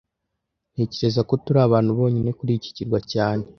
Ntekereza ko turi abantu bonyine kuri iki kirwa cyane